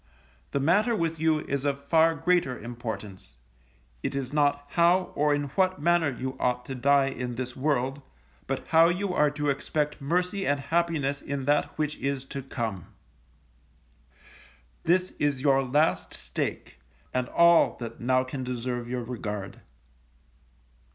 The matter with you is of far greater importance, it is not how, or in what manner you ought to die in this world, but how you are to expect mercy and happiness in that which is to come. This is your last stake, and all that now can deserve your regard.